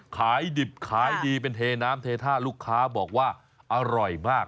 ขายดิบขายดีเป็นเทน้ำเทท่าลูกค้าบอกว่าอร่อยมาก